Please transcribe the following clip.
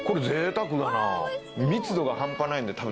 密度が半端ないんで。